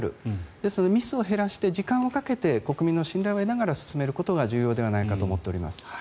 ですのでミスを減らして時間をかけて国民の信頼を得ながら進めることが重要ではないかと思っております。